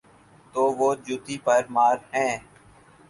تو وہ جوتی پرمار ہیں۔